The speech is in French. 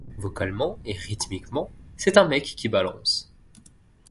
Vocalement et rythmiquement, c’est un mec qui balance.